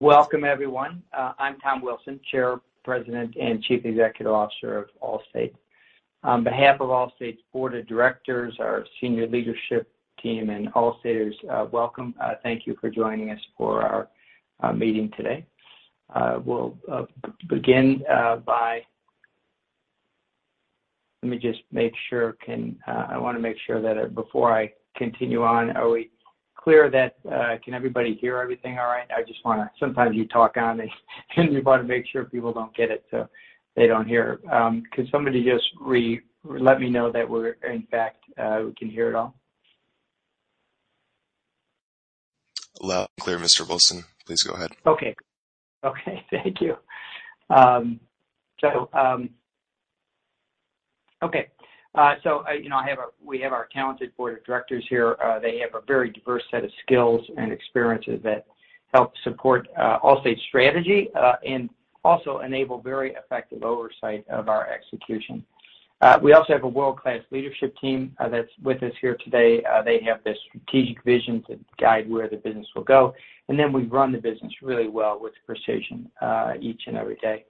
Welcome everyone. I'm Tom Wilson, Chair, President, and Chief Executive Officer of Allstate. On behalf of Allstate's Board of Directors, our senior leadership team, and Allstaters, welcome. Thank you for joining us for our meeting today. Let me just make sure. I want to make sure that before I continue on, can everybody hear everything all right? Sometimes you talk on these, and we want to make sure people don't get it, so they don't hear. Can somebody just let me know that we can hear it all? Loud and clear, Mr. Wilson. Please go ahead. Okay. Thank you. We have our talented board of directors here. They have a very diverse set of skills and experiences that help support Allstate's strategy, and also enable very effective oversight of our execution. We also have a world-class leadership team that's with us here today. They have the strategic vision to guide where the business will go. We run the business really well with precision each and every day.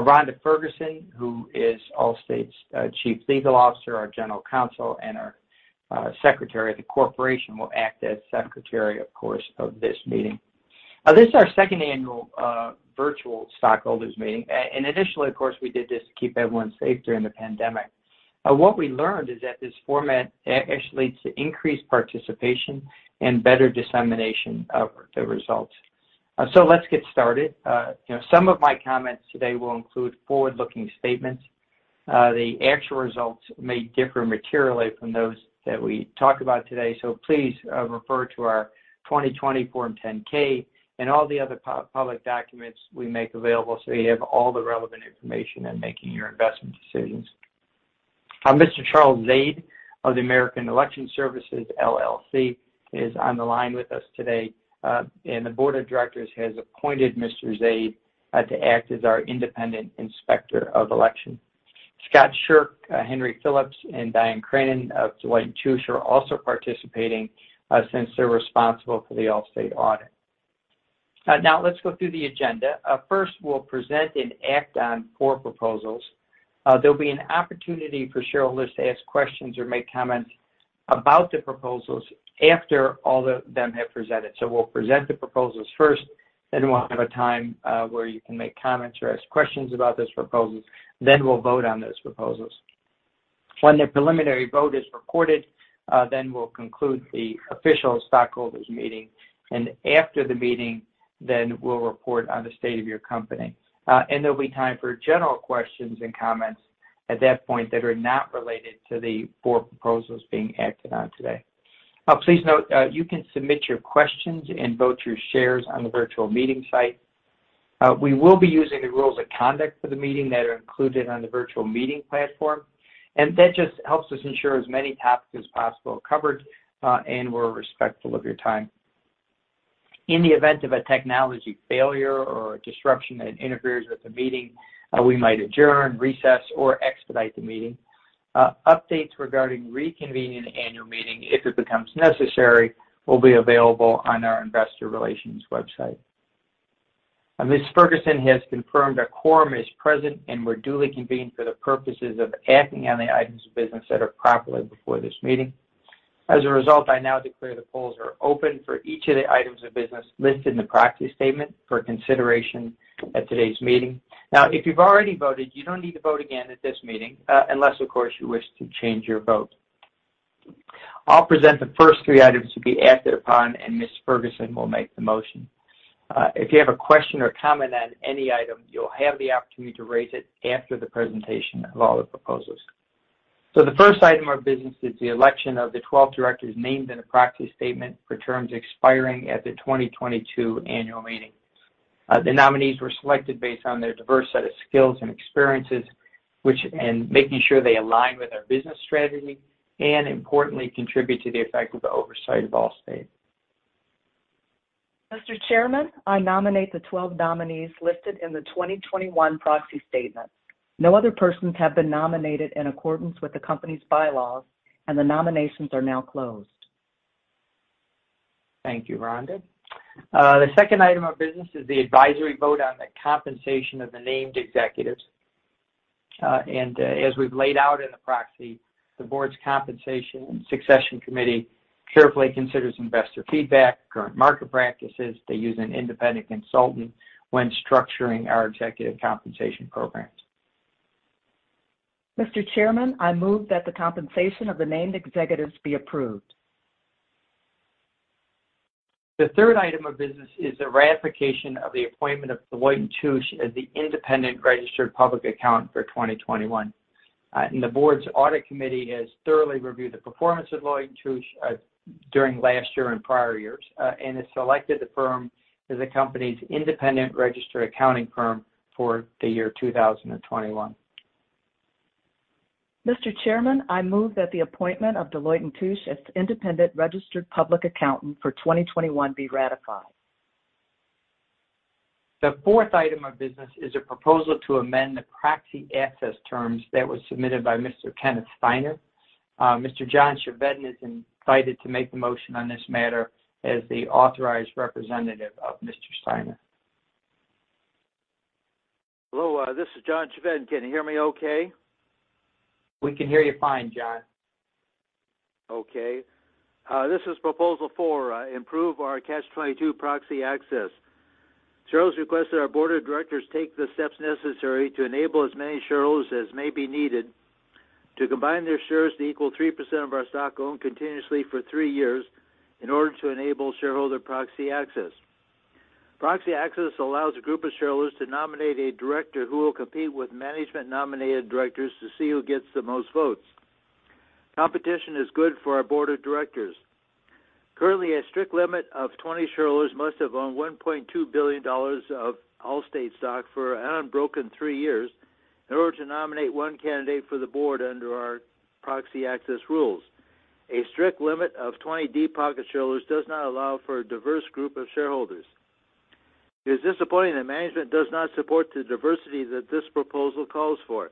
Rhonda Ferguson, who is Allstate's Chief Legal Officer, our General Counsel, and our Secretary of the Corporation, will act as Secretary, of course, of this meeting. This is our second annual virtual stockholders meeting. Initially, of course, we did this to keep everyone safe during the pandemic. What we learned is that this format actually leads to increased participation and better dissemination of the results. Let's get started. Some of my comments today will include forward-looking statements. The actual results may differ materially from those that we talk about today. Please refer to our 2020 Form 10-K and all the other public documents we make available so you have all the relevant information in making your investment decisions. Mr. Charles Zade of the American Election Services, LLC is on the line with us today, and the board of directors has appointed Mr. Zade to act as our independent inspector of election. Scott Sherr, Henry Phillips, and Diane Craanen of Deloitte & Touche are also participating since they're responsible for the Allstate audit. Now let's go through the agenda. First, we'll present and act on four proposals. There'll be an opportunity for shareholders to ask questions or make comments about the proposals after all of them have presented. We'll present the proposals first, then we'll have a time where you can make comments or ask questions about those proposals, then we'll vote on those proposals. When the preliminary vote is recorded, then we'll conclude the official stockholders meeting, and after the meeting, then we'll report on the state of your company. There'll be time for general questions and comments at that point that are not related to the four proposals being acted on today. Please note, you can submit your questions and vote your shares on the virtual meeting site. We will be using the rules of conduct for the meeting that are included on the virtual meeting platform. That just helps us ensure as many topics as possible are covered, and we're respectful of your time. In the event of a technology failure or a disruption that interferes with the meeting, we might adjourn, recess, or expedite the meeting. Updates regarding reconvening the annual meeting, if it becomes necessary, will be available on our investor relations website. Ms. Ferguson has confirmed a quorum is present, and we're duly convened for the purposes of acting on the items of business that are properly before this meeting. As a result, I now declare the polls are open for each of the items of business listed in the proxy statement for consideration at today's meeting. Now, if you've already voted, you don't need to vote again at this meeting, unless, of course, you wish to change your vote. I'll present the first three items to be acted upon, and Ms. Ferguson will make the motion. If you have a question or comment on any item, you'll have the opportunity to raise it after the presentation of all the proposals. The first item of business is the election of the 12 directors named in the proxy statement for terms expiring at the 2022 annual meeting. The nominees were selected based on their diverse set of skills and experiences, and making sure they align with our business strategy, and importantly, contribute to the effective oversight of Allstate. Mr. Chairman, I nominate the 12 nominees listed in the 2021 proxy statement. No other persons have been nominated in accordance with the company's bylaws, and the nominations are now closed. Thank you, Rhonda. The second item of business is the advisory vote on the compensation of the named executives. As we've laid out in the proxy, the board's Compensation and Succession Committee carefully considers investor feedback, current market practices. They use an independent consultant when structuring our executive compensation programs. Mr. Chairman, I move that the compensation of the named executives be approved. The third item of business is the ratification of the appointment of Deloitte & Touche as the independent registered public accountant for 2021. The board's Audit Committee has thoroughly reviewed the performance of Deloitte & Touche during last year and prior years and has selected the firm as the company's independent registered accounting firm for the year 2021. Mr. Chairman, I move that the appointment of Deloitte & Touche as the independent registered public accountant for 2021 be ratified. The fourth item of business is a proposal to amend the proxy access terms that was submitted by Mr. Kenneth Steiner. Mr. John Chevedden is invited to make the motion on this matter as the authorized representative of Mr. Steiner. Hello, this is John Chevedden. Can you hear me okay? We can hear you fine, John. Okay. This is Proposal four, improve our Catch-22 proxy access. Shareholders request that our board of directors take the steps necessary to enable as many shareholders as may be needed to combine their shares to equal 3% of our stock owned continuously for three years in order to enable shareholder proxy access. Proxy access allows a group of shareholders to nominate a director who will compete with management-nominated directors to see who gets the most votes. Competition is good for our board of directors. Currently, a strict limit of 20 shareholders must have owned $1.2 billion of Allstate stock for an unbroken three years in order to nominate one candidate for the board under our proxy access rules. A strict limit of 20 deep-pocket shareholders does not allow for a diverse group of shareholders. It is disappointing that management does not support the diversity that this proposal calls for.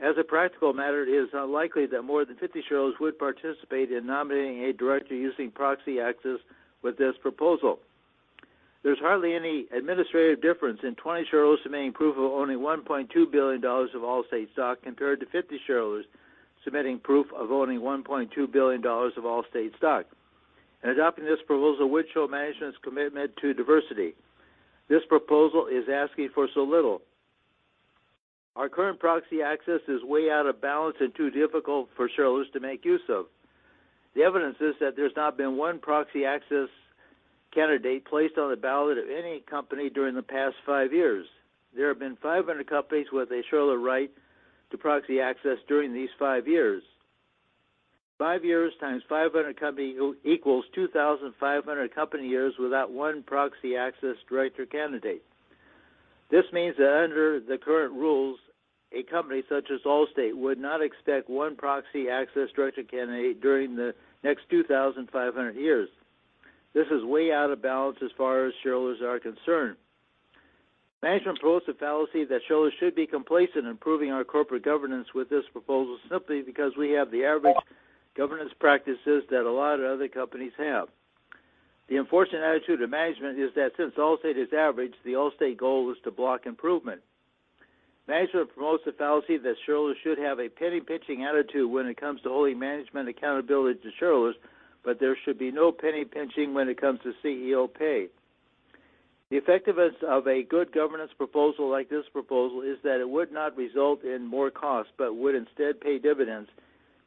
As a practical matter, it is unlikely that more than 50 shareholders would participate in nominating a director using proxy access with this proposal. There's hardly any administrative difference in 20 shareholders submitting proof of owning $1.2 billion of Allstate stock compared to 50 shareholders submitting proof of owning $1.2 billion of Allstate stock. Adopting this proposal would show management's commitment to diversity. This proposal is asking for so little. Our current proxy access is way out of balance and too difficult for shareholders to make use of. The evidence is that there's not been one proxy access candidate placed on the ballot of any company during the past five years. There have been 500 companies with a shareholder right to proxy access during these five years. Five years times 500 companies equals 2,500 company years without one proxy access director candidate. This means that under the current rules, a company such as Allstate would not expect one proxy access director candidate during the next 2,500 years. This is way out of balance as far as shareholders are concerned. Management promotes the fallacy that shareholders should be complacent in improving our corporate governance with this proposal simply because we have the average governance practices that a lot of other companies have. The unfortunate attitude of management is that since Allstate is average, the Allstate goal is to block improvement. Management promotes the fallacy that shareholders should have a penny-pinching attitude when it comes to holding management accountability to shareholders, but there should be no penny-pinching when it comes to CEO pay. The effectiveness of a good governance proposal like this proposal is that it would not result in more costs but would instead pay dividends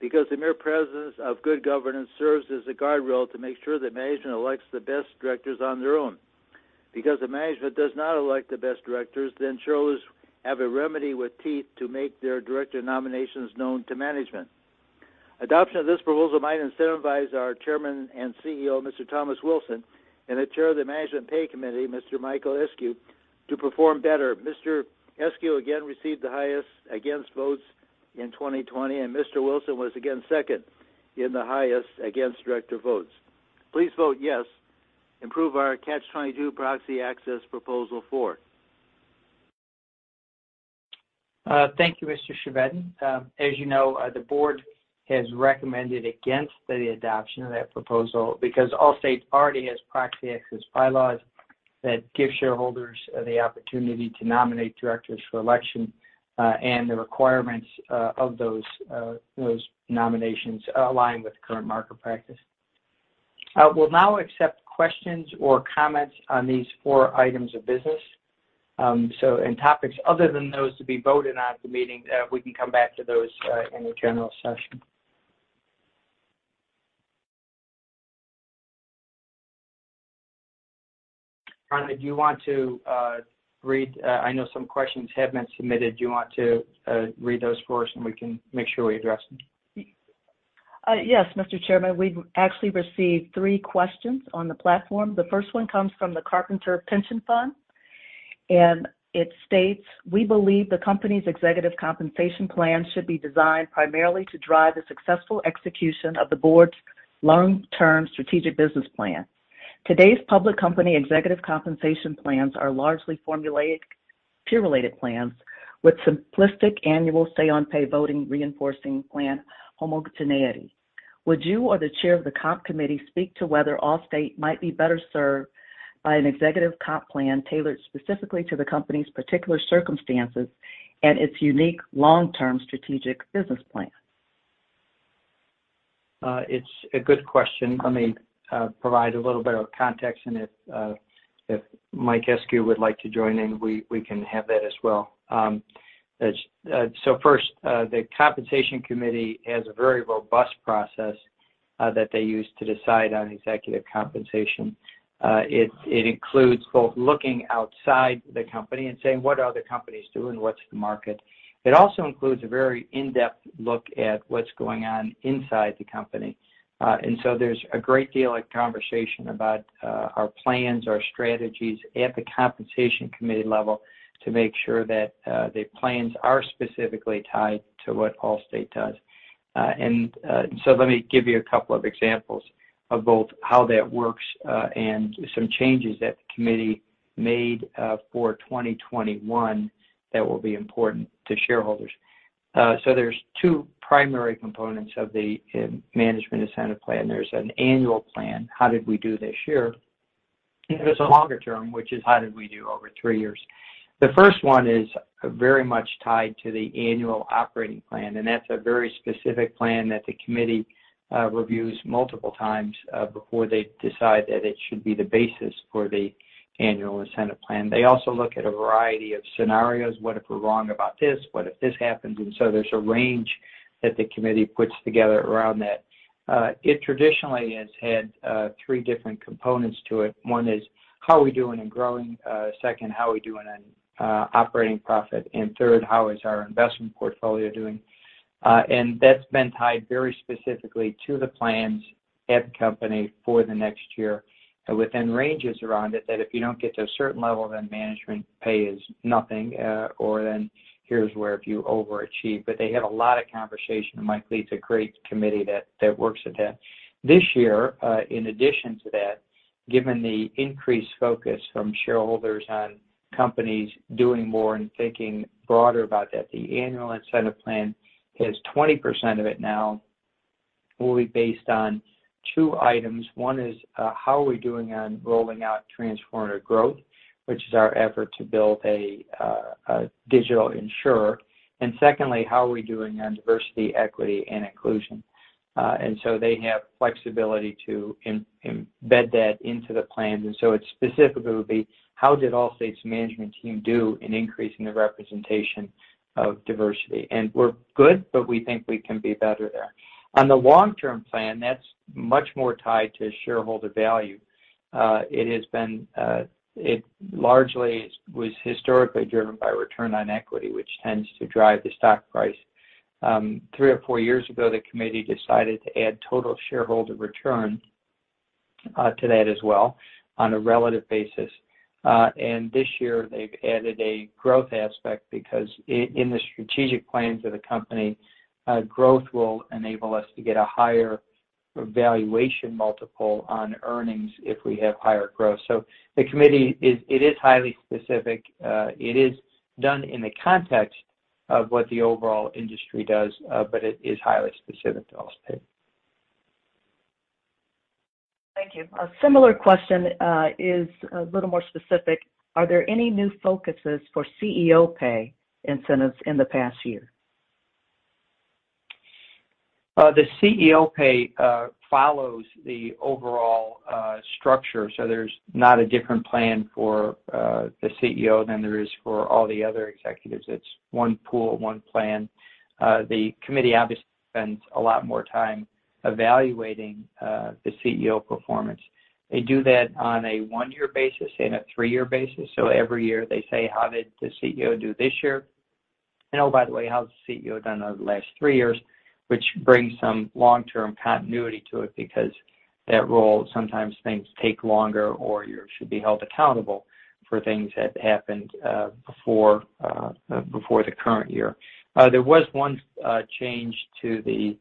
because the mere presence of good governance serves as a guardrail to make sure that management elects the best directors on their own. If management does not elect the best directors, then shareholders have a remedy with teeth to make their director nominations known to management. Adoption of this proposal might incentivize our Chairman and CEO, Mr. Thomas Wilson, and the Chair of the Management Pay Committee, Mr. Michael Eskew, to perform better. Mr. Eskew again received the highest against votes in 2020, and Mr. Wilson was again second in the highest against director votes. Please vote yes. Improve our Catch-22 proxy access, Proposal four. Thank you, Mr. Chevedden. As you know, the board has recommended against the adoption of that proposal because Allstate already has proxy access bylaws that give shareholders the opportunity to nominate directors for election, and the requirements of those nominations align with current market practice. We'll now accept questions or comments on these four items of business. Any topics other than those to be voted on at the meeting, we can come back to those in the general session. Rhonda Ferguson, do you want to read? I know some questions have been submitted. Do you want to read those for us, and we can make sure we address them? Yes, Mr. Chairman. We've actually received three questions on the platform. The first one comes from the Carpenters Pension Fund, and it states: We believe the company's executive compensation plan should be designed primarily to drive the successful execution of the board's long-term strategic business plan. Today's public company executive compensation plans are largely formulated peer-related plans with simplistic annual say on pay voting reinforcing plan homogeneity. Would you or the chair of the comp committee speak to whether Allstate might be better served by an executive comp plan tailored specifically to the company's particular circumstances and its unique long-term strategic business plan? It's a good question. Let me provide a little bit of context, and if Mike Eskew would like to join in, we can have that as well. First, the compensation committee has a very robust process that they use to decide on executive compensation. It includes both looking outside the company and saying, what are other companies doing? What's the market? It also includes a very in-depth look at what's going on inside the company. So there's a great deal of conversation about our plans, our strategies at the compensation committee level to make sure that the plans are specifically tied to what Allstate does. So let me give you a couple of examples of both how that works, and some changes that the committee made for 2021 that will be important to shareholders. There's two primary components of the management incentive plan. There's an annual plan, how did we do this year? There's a longer term, which is how did we do over three years? The first one is very much tied to the annual operating plan. That's a very specific plan that the committee reviews multiple times before they decide that it should be the basis for the annual incentive plan. They also look at a variety of scenarios. What if we're wrong about this? What if this happens? There's a range that the committee puts together around that. It traditionally has had three different components to it. One is how are we doing in growing? Second, how are we doing in operating profit? Third, how is our investment portfolio doing? That's been tied very specifically to the plans of the company for the next year and within ranges around it, that if you don't get to a certain level, then management pay is nothing, or then here's where if you overachieve. They had a lot of conversation, and Mike lead's a great committee that works at that. This year, in addition to that, given the increased focus from shareholders on companies doing more and thinking broader about that, the annual incentive plan says 20% of it now will be based on two items. One is, how are we doing on rolling out Transformative Growth, which is our effort to build a digital insurer? Secondly, how are we doing on diversity, equity, and inclusion? They have flexibility to embed that into the plans. It specifically would be, how did Allstate's management team do in increasing the representation of diversity? We're good, but we think we can be better there. On the long-term plan, that's much more tied to shareholder value. It largely was historically driven by return on equity, which tends to drive the stock price. Three or four years ago, the committee decided to add total shareholder return to that as well on a relative basis. This year they've added a growth aspect because in the strategic plans of the company, growth will enable us to get a higher valuation multiple on earnings if we have higher growth. The committee, it is highly specific. It is done in the context of what the overall industry does, but it is highly specific to Allstate. Thank you. A similar question is a little more specific. Are there any new focuses for CEO pay incentives in the past year? The CEO pay follows the overall structure, so there's not a different plan for the CEO than there is for all the other executives. It's one pool, one plan. The committee obviously spends a lot more time evaluating the CEO performance. They do that on a one-year basis and a three-year basis. Every year they say, "How did the CEO do this year? Oh, by the way, how has the CEO done over the last three years?" Which brings some long-term continuity to it because that role, sometimes things take longer or you should be held accountable for things that happened before the current year. There was one change to the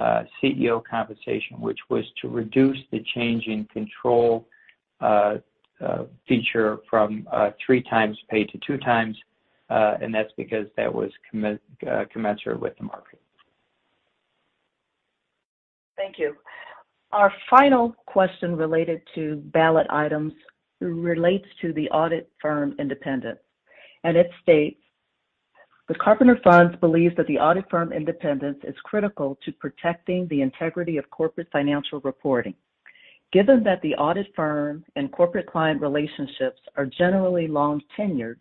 CEO compensation, which was to reduce the change in control feature from three times pay to two times, and that's because that was commensurate with the market. Thank you. Our final question related to ballot items relates to the audit firm independence. It states, "The Carpenters Pension Fund believe that the audit firm independence is critical to protecting the integrity of corporate financial reporting. Given that the audit firm and corporate client relationships are generally long-tenured,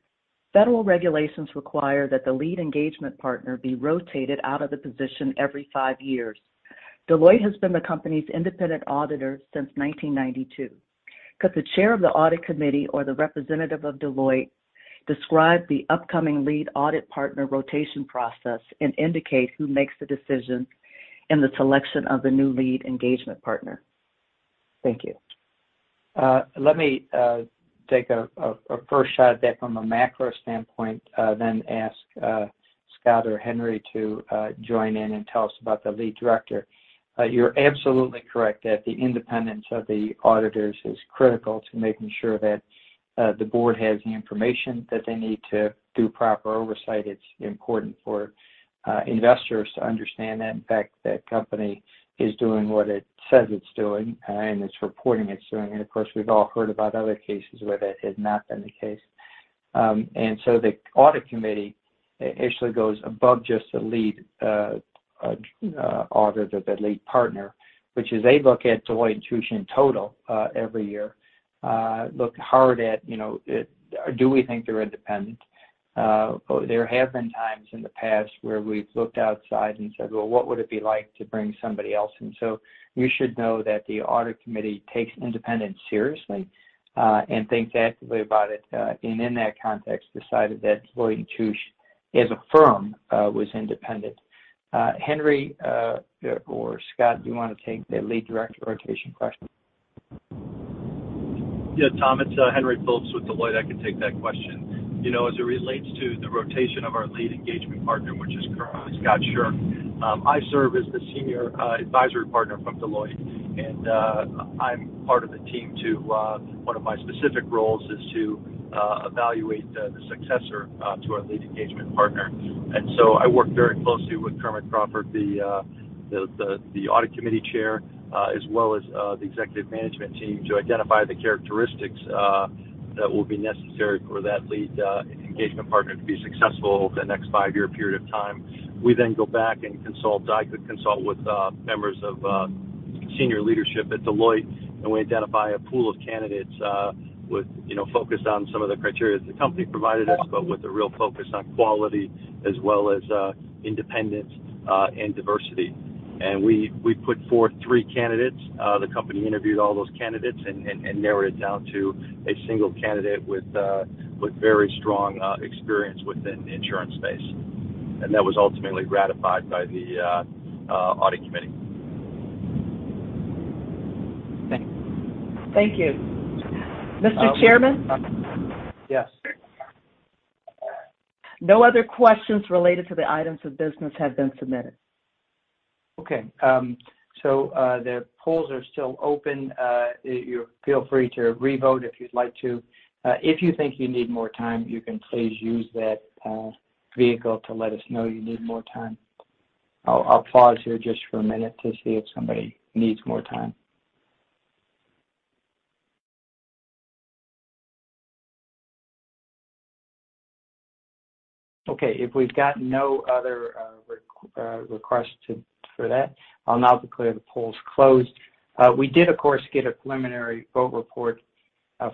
federal regulations require that the lead engagement partner be rotated out of the position every five years. Deloitte has been the company's independent auditor since 1992. Could the Chair of the Audit Committee or the representative of Deloitte describe the upcoming lead audit partner rotation process and indicate who makes the decisions in the selection of the new lead engagement partner?" Thank you. Let me take a first shot at that from a macro standpoint, then ask Scott or Henry to join in and tell us about the lead director. You're absolutely correct that the independence of the auditors is critical to making sure that the board has the information that they need to do proper oversight. It's important for investors to understand that, in fact, the company is doing what it says it's doing and it's reporting it's doing. Of course, we've all heard about other cases where that has not been the case. So the audit committee actually goes above just the lead auditor, the lead partner, which is they look at Deloitte & Touche in total every year. Look hard at do we think they're independent? There have been times in the past where we've looked outside and said, "Well, what would it be like to bring somebody else in?" You should know that the audit committee takes independence seriously and thinks actively about it, and in that context, decided that Deloitte & Touche as a firm was independent. Henry or Scott, do you want to take the lead director rotation question? Yeah, Tom, it's Henry Phillips with Deloitte. I can take that question. As it relates to the rotation of our lead engagement partner, which is Scott Sherr, I serve as the senior advisory partner from Deloitte, and I'm part of the team. One of my specific roles is to evaluate the successor to our lead engagement partner. I work very closely with Kermit Crawford, the audit committee chair, as well as the executive management team to identify the characteristics that will be necessary for that lead engagement partner to be successful over the next five-year period of time. We go back and consult. I could consult with members of senior leadership at Deloitte, and we identify a pool of candidates with focus on some of the criteria the company provided us, but with a real focus on quality as well as independence and diversity. We put forth three candidates. The company interviewed all those candidates and narrowed it down to a single candidate with very strong experience within the insurance space, and that was ultimately ratified by the audit committee. Thank you. Mr. Chairman? Yes. No other questions related to the items of business have been submitted. The polls are still open. Feel free to revote if you'd like to. If you think you need more time, you can please use that vehicle to let us know you need more time. I'll pause here just for a minute to see if somebody needs more time. If we've got no other requests for that, I'll now declare the polls closed. We did, of course, get a preliminary vote report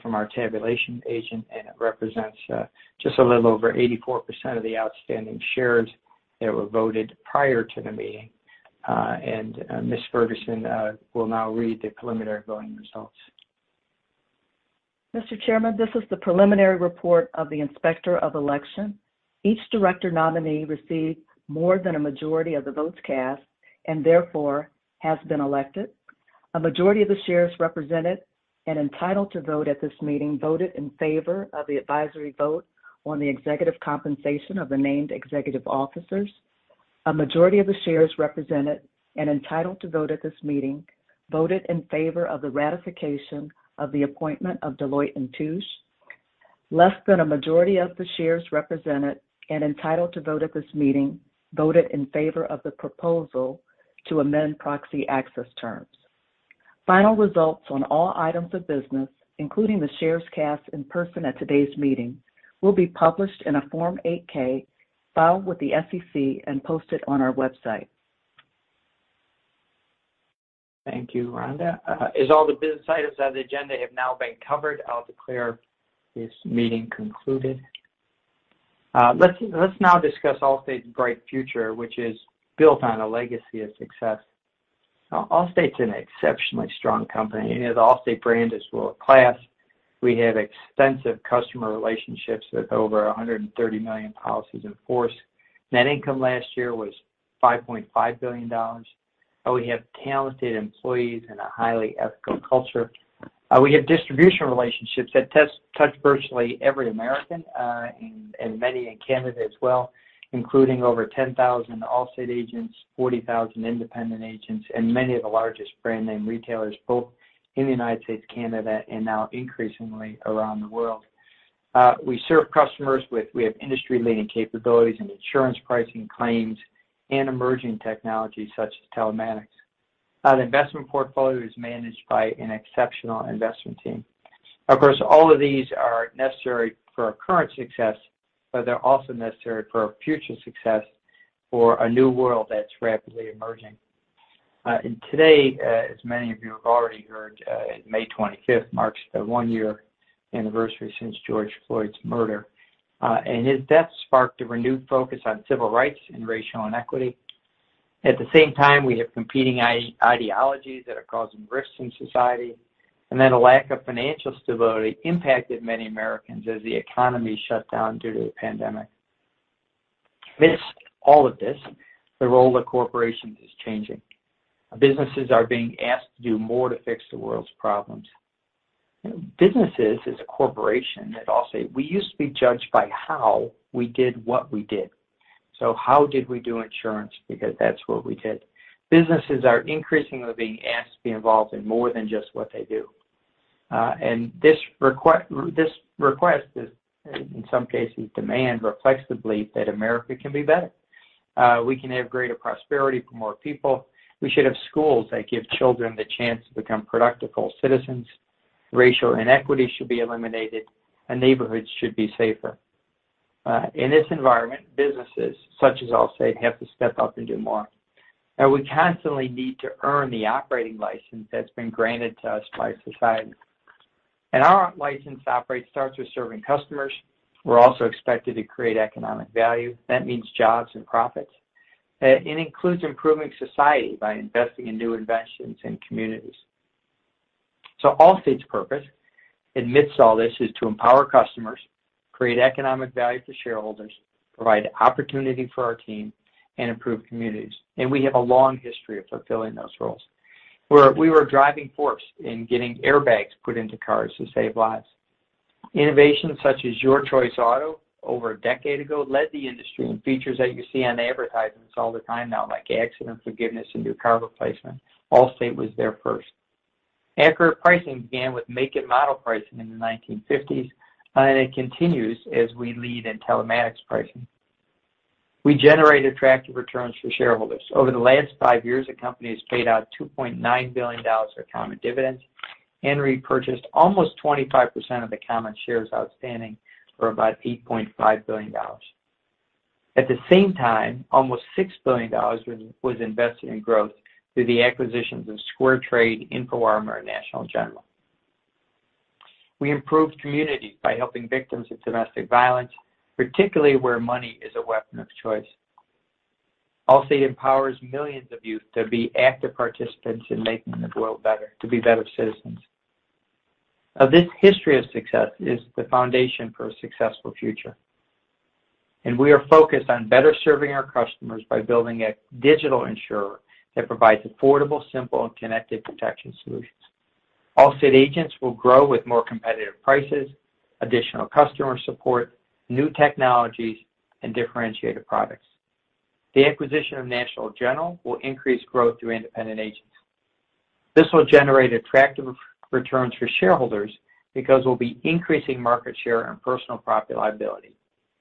from our tabulation agent, and it represents just a little over 84% of the outstanding shares that were voted prior to the meeting. Ms. Ferguson will now read the preliminary voting results. Mr. Chairman, this is the preliminary report of the Inspector of Election. Each director nominee received more than a majority of the votes cast and therefore has been elected. A majority of the shares represented and entitled to vote at this meeting voted in favor of the advisory vote on the executive compensation of the named executive officers. A majority of the shares represented and entitled to vote at this meeting voted in favor of the ratification of the appointment of Deloitte & Touche. Less than a majority of the shares represented and entitled to vote at this meeting voted in favor of the proposal to amend proxy access terms. Final results on all items of business, including the shares cast in person at today's meeting, will be published in a Form 8-K filed with the SEC and posted on our website. Thank you, Rhonda. As all the business items on the agenda have now been covered, I'll declare this meeting concluded. Let's now discuss Allstate's bright future, which is built on a legacy of success. Allstate's an exceptionally strong company, and the Allstate brand is world-class. We have extensive customer relationships with over 130 million policies in force. Net income last year was $5.5 billion. We have talented employees and a highly ethical culture. We have distribution relationships that touch virtually every American, and many in Canada as well, including over 10,000 Allstate agents, 40,000 independent agents, and many of the largest brand name retailers, both in the United States, Canada, and now increasingly around the world. We serve customers with industry-leading capabilities in insurance pricing, claims, and emerging technologies such as telematics. The investment portfolio is managed by an exceptional investment team. All of these are necessary for our current success, but they're also necessary for our future success for a new world that's rapidly emerging. Today, as many of you have already heard, May 25th marks the one-year anniversary since George Floyd's murder, and his death sparked a renewed focus on civil rights and racial inequity. At the same time, we have competing ideologies that are causing rifts in society, a lack of financial stability impacted many Americans as the economy shut down due to the pandemic. Amidst all of this, the role of corporations is changing. Businesses are being asked to do more to fix the world's problems. Businesses, as a corporation at Allstate, we used to be judged by how we did what we did. How did we do insurance? Because that's what we did. Businesses are increasingly being asked to be involved in more than just what they do. This request is, in some cases, demand, reflexively, that America can be better. We can have greater prosperity for more people. We should have schools that give children the chance to become productive citizens. Racial inequity should be eliminated, and neighborhoods should be safer. In this environment, businesses such as Allstate have to step up and do more, and we constantly need to earn the operating license that's been granted to us by society. Our license to operate starts with serving customers. We're also expected to create economic value. That means jobs and profits. It includes improving society by investing in new investments in communities. Allstate's purpose amidst all this is to empower customers, create economic value for shareholders, provide opportunity for our team, and improve communities. We have a long history of fulfilling those roles, where we were a driving force in getting airbags put into cars to save lives. Innovations such as Your Choice Auto over a decade ago led the industry in features that you see on advertisements all the time now, like accident forgiveness and new car replacement. Allstate was there first. Accurate pricing began with make and model pricing in the 1950s, and it continues as we lead in telematics pricing. We generate attractive returns for shareholders. Over the last five years, the company has paid out $2.9 billion of common dividends and repurchased almost 25% of the common shares outstanding for about $8.5 billion. At the same time, almost $6 billion was invested in growth through the acquisitions of SquareTrade, InfoArmor, and National General. We improve communities by helping victims of domestic violence, particularly where money is a weapon of choice. Allstate empowers millions of youth to be active participants in making the world better, to be better citizens. This history of success is the foundation for a successful future, and we are focused on better serving our customers by building a digital insurer that provides affordable, simple, and connected protection solutions. Allstate agents will grow with more competitive prices, additional customer support, new technologies, and differentiated products. The acquisition of National General will increase growth through independent agents. This will generate attractive returns for shareholders because we'll be increasing market share and personal property-liability,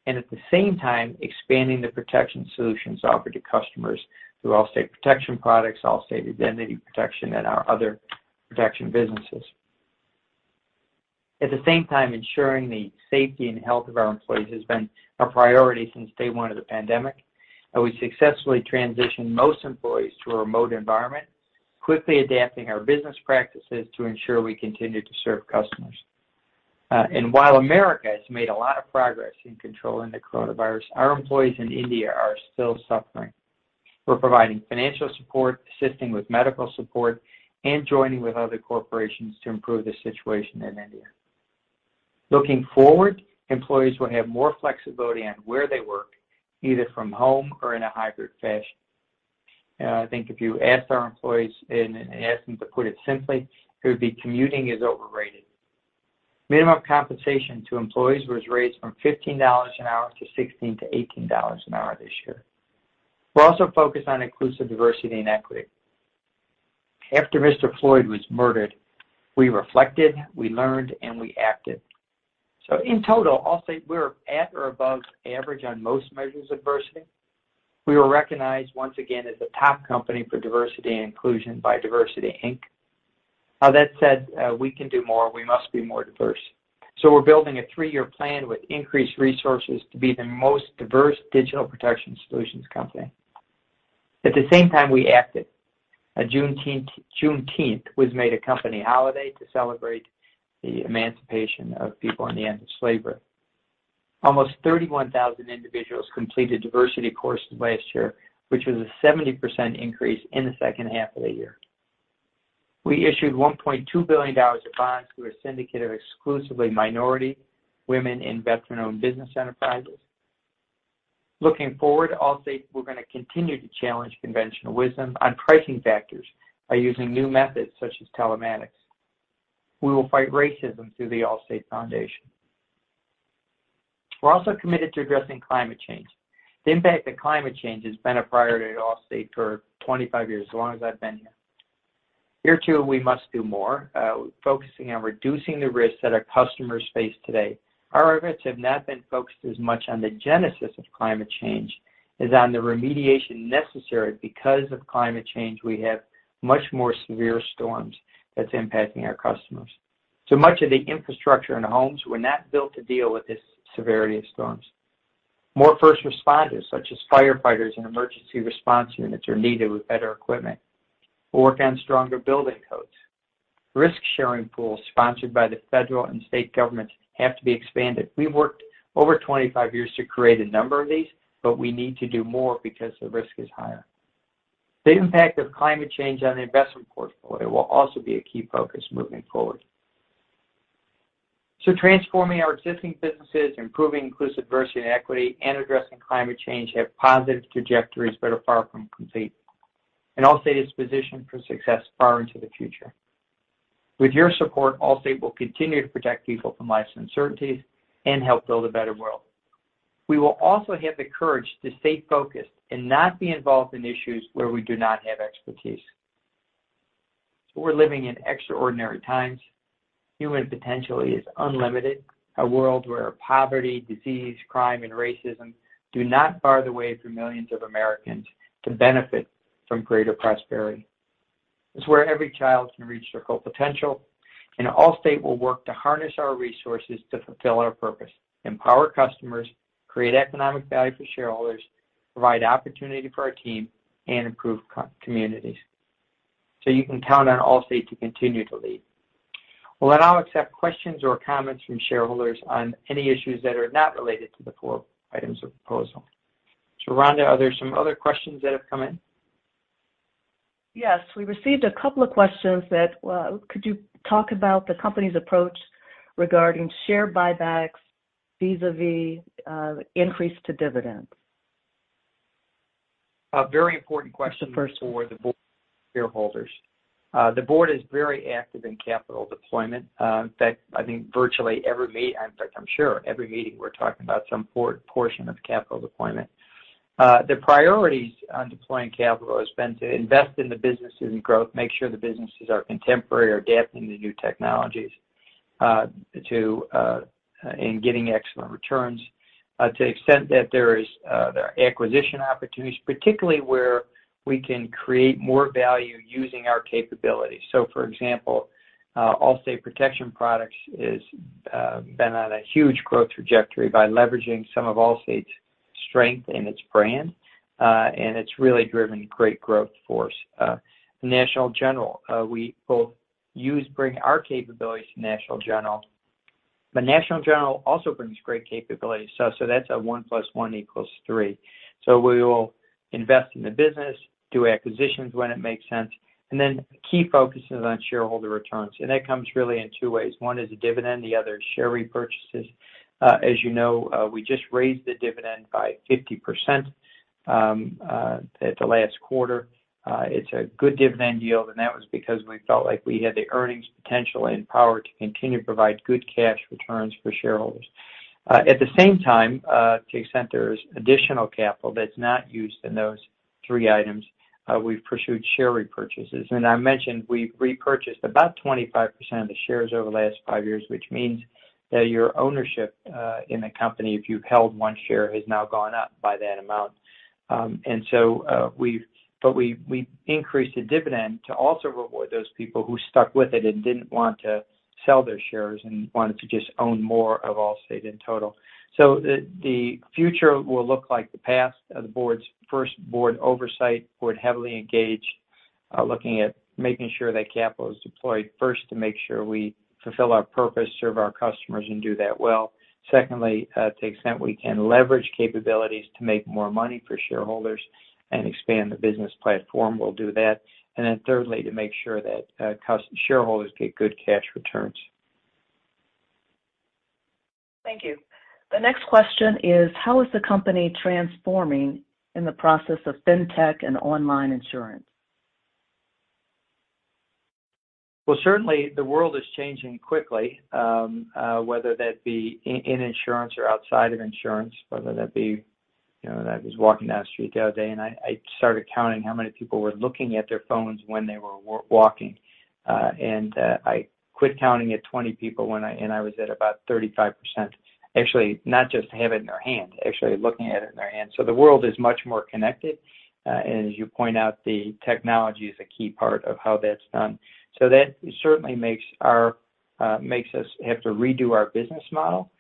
and at the same time expanding the protection solutions offered to customers through Allstate Protection Products, Allstate Identity Protection, and our other protection businesses. At the same time, ensuring the safety and health of our employees has been a priority since day one of the pandemic, and we successfully transitioned most employees to a remote environment, quickly adapting our business practices to ensure we continue to serve customers. While America has made a lot of progress in controlling the coronavirus, our employees in India are still suffering. We're providing financial support, assisting with medical support, and joining with other corporations to improve the situation in India. Looking forward, employees will have more flexibility on where they work, either from home or in a hybrid fashion. I think if you ask our employees and ask them to put it simply, it would be commuting is overrated. Minimum compensation to employees was raised from $15 an hour to $16 to $18 an hour this year. We're also focused on inclusive diversity and equity. After Mr. George Floyd was murdered, we reflected, we learned, and we acted. In total, Allstate, we're at or above average on most measures of diversity. We were recognized once again as a top company for diversity and inclusion by DiversityInc. That said, we can do more. We must be more diverse. We're building a three-year plan with increased resources to be the most diverse digital protection solutions company. At the same time, we acted. Juneteenth was made a company holiday to celebrate the emancipation of people and the end of slavery. Almost 31,000 individuals completed diversity courses last year, which was a 70% increase in the second half of the year. We issued $1.2 billion of bonds through a syndicate of exclusively minority, women, and veteran-owned business enterprises. Looking forward, Allstate, we're going to continue to challenge conventional wisdom on pricing factors by using new methods such as telematics. We will fight racism through The Allstate Foundation. We're also committed to addressing climate change. The impact of climate change has been a priority at Allstate for 25 years, as long as I've been here. Here, too, we must do more, focusing on reducing the risks that our customers face today. Our efforts have not been focused as much on the genesis of climate change as on the remediation necessary because of climate change we have much more severe storms that's impacting our customers. Much of the infrastructure and homes were not built to deal with this severity of storms. More first responders, such as firefighters and emergency response units are needed with better equipment. We'll work on stronger building codes. Risk-sharing pools sponsored by the federal and state governments have to be expanded. We've worked over 25 years to create a number of these, but we need to do more because the risk is higher. The impact of climate change on the investment portfolio will also be a key focus moving forward. Transforming our existing businesses, improving inclusive diversity and equity, and addressing climate change have positive trajectories but are far from complete. Allstate is positioned for success far into the future. With your support, Allstate will continue to protect people from life's uncertainties and help build a better world. We will also have the courage to stay focused and not be involved in issues where we do not have expertise. We're living in extraordinary times. Human potential is unlimited, a world where poverty, disease, crime, and racism do not bar the way for millions of Americans to benefit from greater prosperity. It's where every child can reach their full potential, Allstate will work to harness our resources to fulfill our purpose, empower customers, create economic value for shareholders, provide opportunity for our team, and improve communities. You can count on Allstate to continue to lead. We'll now accept questions or comments from shareholders on any issues that are not related to the proposed items of proposal. Rhonda, are there some other questions that have come in? Yes. We received a couple of questions that, could you talk about the company's approach regarding share buybacks vis-a-vis increase to dividends? A very important question for the board of shareholders. The board is very active in capital deployment. In fact, I think virtually every meeting, I'm sure every meeting, we're talking about some portion of capital deployment. The priorities on deploying capital has been to invest in the businesses and growth, make sure the businesses are contemporary, are adapting to new technologies, and getting excellent returns. To the extent that there is acquisition opportunities, particularly where we can create more value using our capabilities. For example, Allstate Protection Plans has been on a huge growth trajectory by leveraging some of Allstate's strength and its brand, and it's really driven great growth for us. National General, we both bring our capabilities to National General. National General also brings great capabilities. That's a one plus one equals three. We will invest in the business, do acquisitions when it makes sense, and then the key focus is on shareholder returns. That comes really in two ways. One is a dividend, the other is share repurchases. As you know, we just raised the dividend by 50% at the last quarter. It's a good dividend yield, and that was because we felt like we had the earnings potential and power to continue to provide good cash returns for shareholders. At the same time, to the extent there's additional capital that's not used in those three items, we've pursued share repurchases. I mentioned we've repurchased about 25% of the shares over the last five years, which means that your ownership in the company, if you've held one share, has now gone up by that amount. We increased the dividend to also reward those people who stuck with it and didn't want to sell their shares and wanted to just own more of Allstate in total. The future will look like the past. The first board oversight, board heavily engaged, looking at making sure that capital is deployed first to make sure we fulfill our purpose, serve our customers, and do that well. Secondly, to the extent we can leverage capabilities to make more money for shareholders and expand the business platform, we'll do that. Then thirdly, to make sure that shareholders get good cash returns. Thank you. The next question is, how is the company transforming in the process of fintech and online insurance? Well, certainly the world is changing quickly, whether that be in insurance or outside of insurance. I was walking down the street the other day, I started counting how many people were looking at their phones when they were walking. I quit counting at 20 people, and I was at about 35%. Actually, not just having it in their hand, actually looking at it in their hand. The world is much more connected. As you point out, the technology is a key part of how that's done. That certainly makes us have to redo our business model,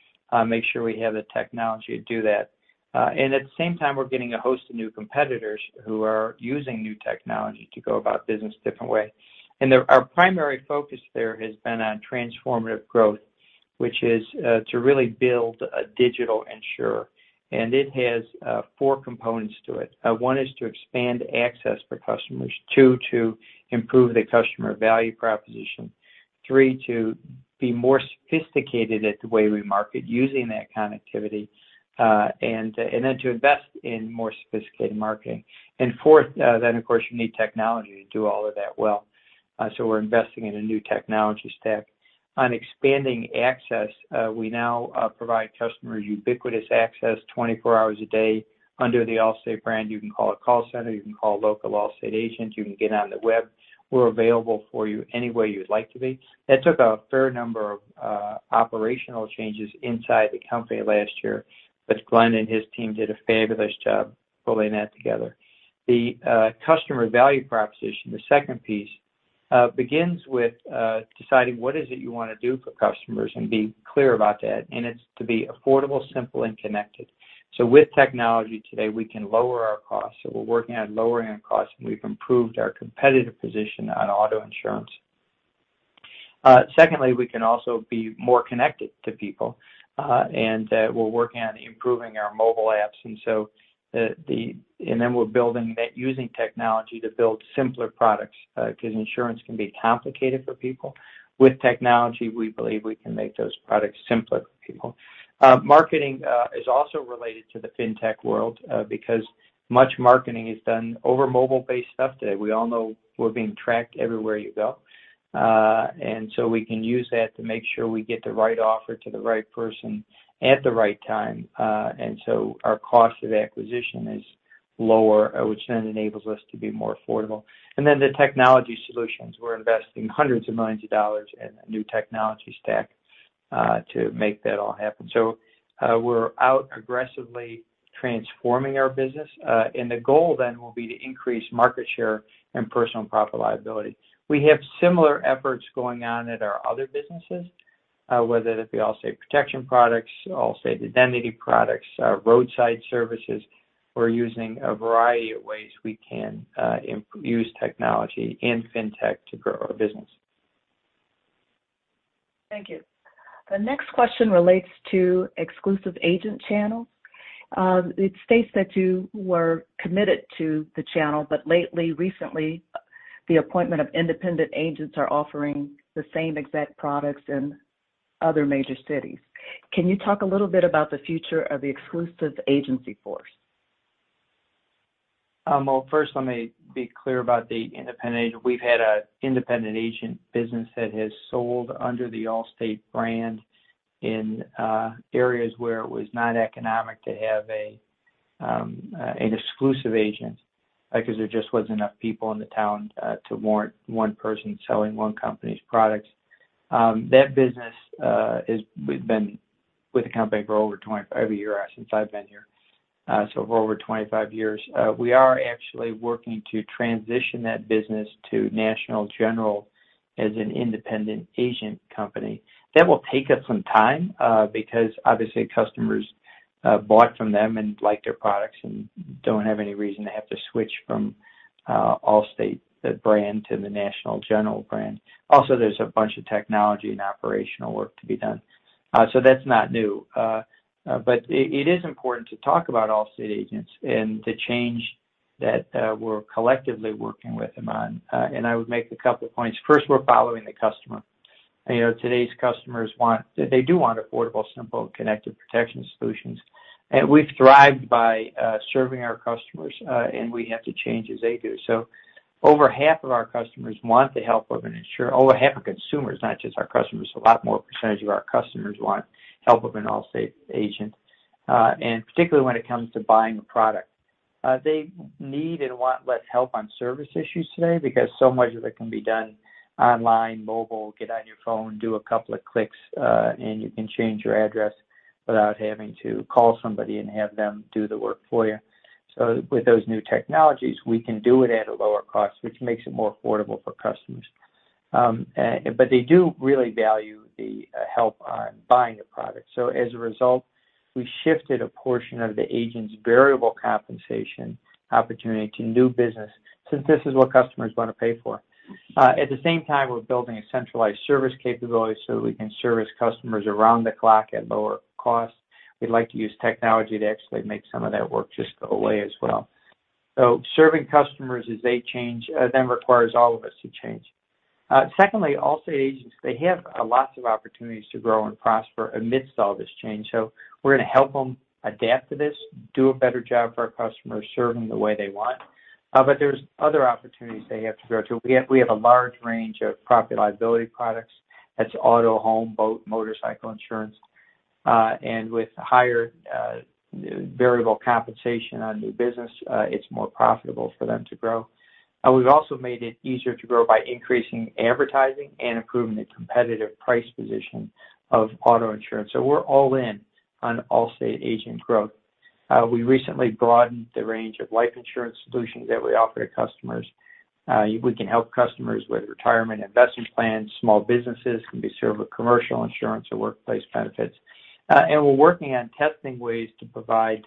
make sure we have the technology to do that. At the same time, we're getting a host of new competitors who are using new technology to go about business different ways. Our primary focus there has been on Transformative Growth, which is to really build a digital insurer. It has four components to it. One is to expand access for customers. Two, to improve the customer value proposition. Three, to be more sophisticated at the way we market using that connectivity, and then to invest in more sophisticated marketing. Four, of course, you need technology to do all of that well. We're investing in a new technology stack. On expanding access, we now provide customers ubiquitous access 24 hours a day under the Allstate brand. You can call a call center, you can call local Allstate agents, you can get on the web. We're available for you any way you would like to be. That took a fair number of operational changes inside the company last year, but Glenn and his team did a fabulous job pulling that together. The customer value proposition, the second piece, begins with deciding what is it you want to do for customers and be clear about that, and it's to be affordable, simple, and connected. With technology today, we can lower our costs. We're working on lowering our costs, and we've improved our competitive position on auto insurance. Secondly, we can also be more connected to people, and we're working on improving our mobile apps. Then we're using technology to build simpler products, because insurance can be complicated for people. With technology, we believe we can make those products simpler for people. Marketing is also related to the fintech world because much marketing is done over mobile-based stuff today. We all know we're being tracked everywhere you go. We can use that to make sure we get the right offer to the right person at the right time. Our cost of acquisition is lower, which then enables us to be more affordable. The technology solutions, we're investing hundreds of millions of dollars in a new technology stack to make that all happen. We're out aggressively transforming our business. The goal then will be to increase market share and personal property-liability. We have similar efforts going on at our other businesses, whether that be Allstate Protection Plans, Allstate Identity Protection, Roadside Services. We're using a variety of ways we can use technology and fintech to grow our business. Thank you. The next question relates to exclusive agent channels. It states that you were committed to the channel, but lately, recently, the appointment of independent agents are offering the same exact products in other major cities. Can you talk a little bit about the future of the exclusive agency force? Well, first, let me be clear about the independent agent. We've had an independent agent business that has sold under the Allstate brand in areas where it was not economic to have an exclusive agent, because there just wasn't enough people in the town to warrant one person selling one company's products. That business has been with the company for over 25 years, since I've been here. For over 25 years. We are actually working to transition that business to National General as an independent agent company. That will take us some time, because obviously customers bought from them and like their products and don't have any reason to have to switch from Allstate, the brand, to the National General brand. There's a bunch of technology and operational work to be done. That's not new. It is important to talk about Allstate agents and the change that we're collectively working with them on. I would make a couple points. First, we're following the customer. Today's customers, they do want affordable, simple, connected protection solutions. We've thrived by serving our customers, and we have to change as they do. Over half of our customers want the help of an insurer. Over half of consumers, not just our customers, a lot more percentage of our customers want help of an Allstate agent, and particularly when it comes to buying a product. They need and want less help on service issues today because so much of it can be done online, mobile, get on your phone, do a couple of clicks, and you can change your address without having to call somebody and have them do the work for you. With those new technologies, we can do it at a lower cost, which makes it more affordable for customers. They do really value the help on buying a product. As a result, we've shifted a portion of the agent's variable compensation opportunity to new business since this is what customers want to pay for. At the same time, we're building a centralized service capability so we can service customers around the clock at lower cost. We'd like to use technology to actually make some of that work just go away as well. Serving customers as they change then requires all of us to change. Secondly, Allstate agents, they have lots of opportunities to grow and prosper amidst all this change. We're going to help them adapt to this, do a better job for our customers, serve them the way they want. There's other opportunities they have to grow, too. We have a large range of personal property-liability products. That's auto, home, boat, motorcycle insurance. With higher variable compensation on new business, it's more profitable for them to grow. We've also made it easier to grow by increasing advertising and improving the competitive price position of auto insurance. We're all in on Allstate agent growth. We recently broadened the range of life insurance solutions that we offer to customers. We can help customers with retirement investment plans. Small businesses can be served with commercial insurance or workplace benefits. We're working on testing ways to provide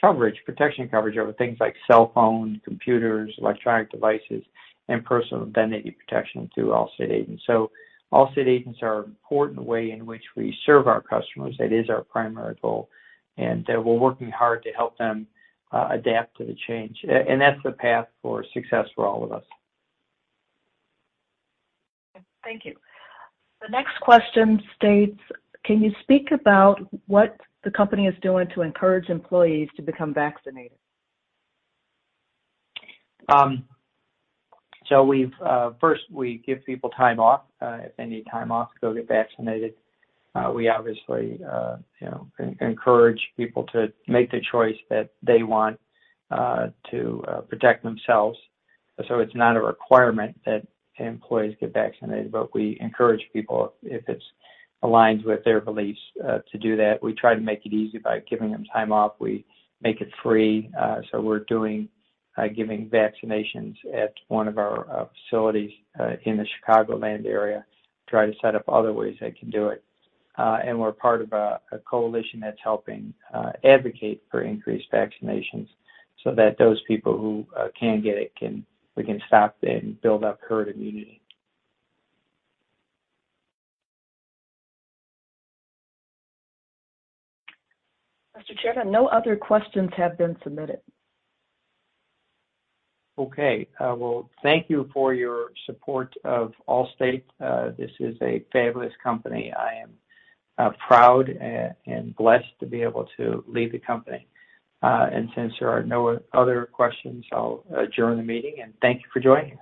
coverage, protection coverage, over things like cell phone, computers, electronic devices, and Allstate Identity Protection to Allstate agents. Allstate agents are an important way in which we serve our customers. That is our primary goal, and we're working hard to help them adapt to the change. That's the path for success for all of us. Thank you. The next question states, can you speak about what the company is doing to encourage employees to become vaccinated? First, we give people time off, if they need time off to go get vaccinated. We obviously encourage people to make the choice that they want to protect themselves. It's not a requirement that employees get vaccinated, but we encourage people, if it's aligned with their beliefs, to do that. We try to make it easy by giving them time off. We make it free. We're giving vaccinations at one of our facilities in the Chicagoland area, try to set up other ways they can do it. We're part of a coalition that's helping advocate for increased vaccinations so that those people who can get it, we can stop it and build up herd immunity. Mr. Chairman, no other questions have been submitted. Okay. Well, thank you for your support of Allstate. This is a fabulous company. I am proud and blessed to be able to lead the company. Since there are no other questions, I'll adjourn the meeting, and thank you for joining.